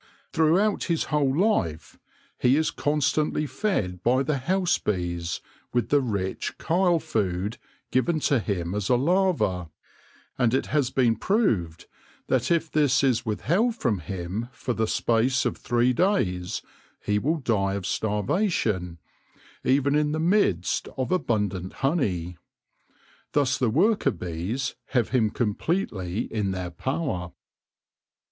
Throughout his whole life he is constantly fed by the house bees with the rich chyle food given to him as a larva, and it has been proved that if this is withheld from him for the space of three days he will die of starvation, even in the midst of abundant honey. Thus the worker bees have him completely in their power.